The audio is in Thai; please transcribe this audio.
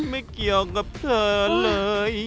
ไม่เกี่ยวกับเธอเลย